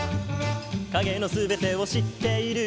「影の全てを知っている」